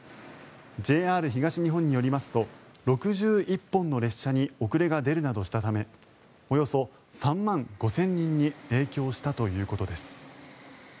ＪＲ東日本によりますと６１本の列車に遅れが出るなどしたためおよそ３万５０００人に影響したということです。